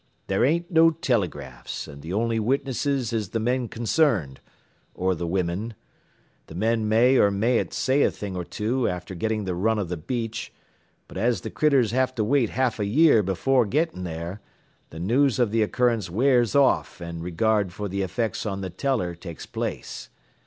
There ain't no telegraphs, an' th' only witnesses is the men concerned or the wimmen. The men may or mayn't say a thing or two after getting the run av th' beach, but as th' critters have to wait half a year afore getting there, the news av th' occurrence wears off an' regard for the effects on th' teller takes place.